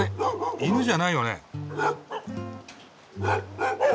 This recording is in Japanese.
犬じゃないよね？